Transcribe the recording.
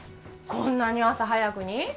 こんなに朝早くに？